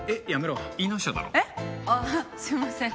ああすいません。